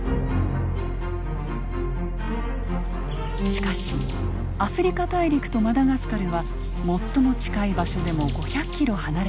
しかしアフリカ大陸とマダガスカルは最も近い場所でも５００キロ離れています。